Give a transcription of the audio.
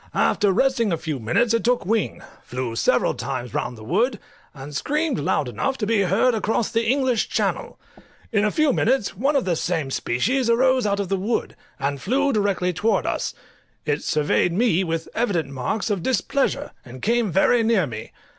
After resting a few minutes it took wing, flew several times round the wood, and screamed loud enough to be heard across the English Channel. In a few minutes one of the same species arose out of the wood, and flew directly towards us; it surveyed me with evident marks of displeasure, and came very near me.